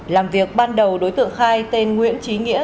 làm việc ban đầu đối tượng khai tên nguyễn trí nghĩa